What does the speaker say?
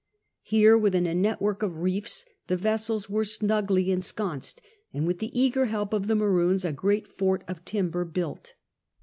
Here, within a network of reefs, the vessels were snugly ensconced, and with the eager help of the Maroons a great fort of timber built.